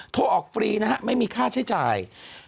โทรออกฟรีนะฮะไม่มีค่าใช้จ่าย